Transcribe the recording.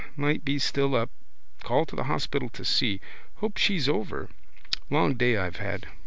Might be still up. Call to the hospital to see. Hope she's over. Long day I've had.